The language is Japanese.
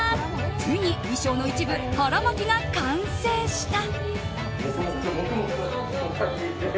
ついに衣装の一部腹巻きが完成した。